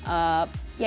ya itu sepatutnya